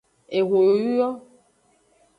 Ehun yoyu yo.